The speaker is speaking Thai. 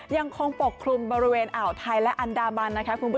ยังคงปกคลุมบริเวณอ่าวไทยและอันดามัน